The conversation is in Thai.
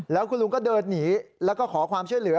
แล้วคุณลุงก็เดินหนีแล้วก็ขอความช่วยเหลือ